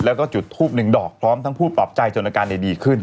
แล้วก็จุดทูบหนึ่งดอกพร้อมทั้งพูดปลอบใจจนอาการดีขึ้น